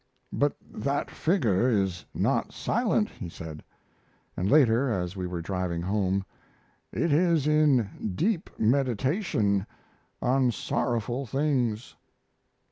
"But that figure is not silent," he said. And later, as we were driving home: "It is in deep meditation on sorrowful things."